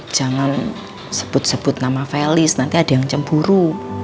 jangan sebut sebut nama felis nanti ada yang cemburu